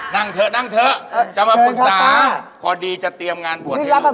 นั่งเถอะจะมาปรึงสารพอดีจะเตรียมงานบวชให้ดู